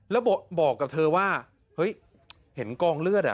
แล้วบอกกับเธอว่าเฮ้ยเห็นกองเลือดอ่ะ